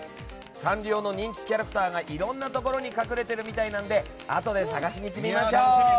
サンリオの人気キャラクターがいろんなところに隠れてるみたいなのであとで探しに行ってみましょう！